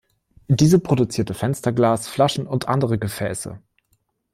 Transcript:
Diese produzierte Fensterglas, Flaschen und andere Gefäße.